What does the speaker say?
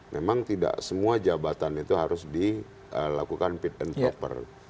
memang tidak semua jabatan itu harus dilakukan fit and proper